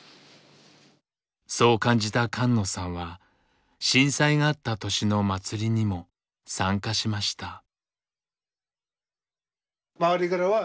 そう感じた菅野さんは震災があった年の祭りにも参加しました。